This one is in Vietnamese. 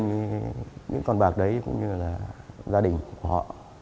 như những con bạc đấy cũng như là gia đình của họ